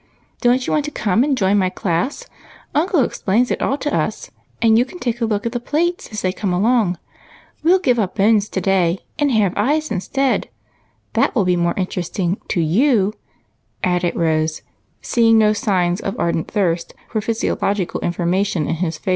" Don't you want to come and join my class ? uncle explains it all to us, and you can take a look at the plates as they come along. VYe '11 give up bones to day and have eyes instead ; that will be more interest ing to 2/^w," added Rose, seeing no ardent thirst for physiological information in his face.